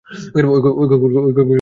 ওই কুকুরকে তোমরা বিশ্বাস করো?